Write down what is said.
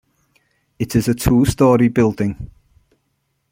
It is a two-story building.